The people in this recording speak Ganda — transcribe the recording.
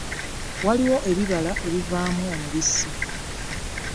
Waliwo ebibala ebivamu omubisi.